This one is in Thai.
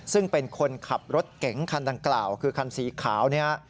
ซึ่งเป็นคนขับรถเก๋งคันดังกล่าวคือคันสีขาวเนี่ย